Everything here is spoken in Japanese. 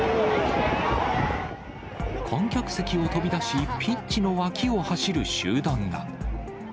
観客席を飛び出し、ピッチの脇を走る集団が。